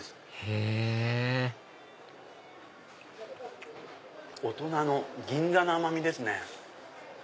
へぇ大人の銀座の甘みですね。